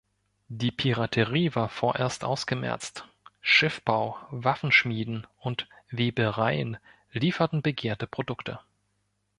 Die Piraterie war vorerst ausgemerzt, Schiffbau, Waffenschmieden und Webereien lieferten begehrte Produkte.